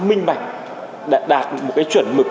minh mạch đạt một cái chuẩn mực